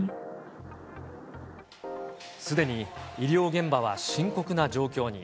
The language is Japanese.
すでに医療現場は深刻な状況に。